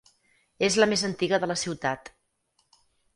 És la més antiga de la ciutat.